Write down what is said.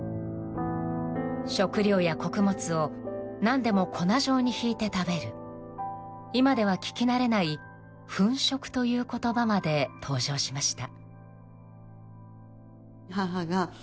食糧や穀物を何でも粉状にひいて食べる今では聞き慣れない、粉食という言葉まで登場しました。